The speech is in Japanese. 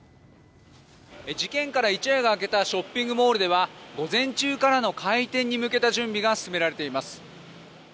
事件から一夜が明けたショッピングモールでは午前中からの開店に向けた準備が進められています。